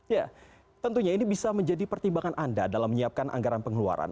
ya tentunya ini bisa menjadi pertimbangan anda dalam menyiapkan anggaran pengeluaran